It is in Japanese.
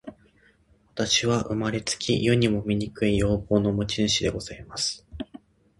私は生れつき、世にも醜い容貌の持主でございます。